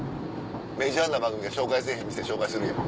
メジャーな番組が紹介せぇへん店紹介するやん。